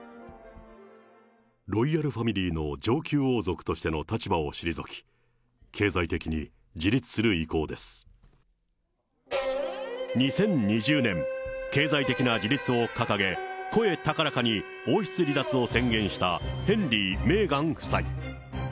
ロイヤルファミリーの上級王族としての立場を退き、経済的に２０２０年、経済的な自立を掲げ、声高らかに王室離脱を宣言したヘンリー、メーガン夫妻。